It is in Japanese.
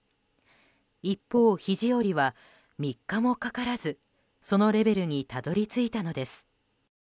一方、肘折は３日もかからずそのレベルにたどり着いたのです。